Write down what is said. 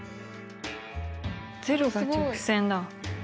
０が直線だ。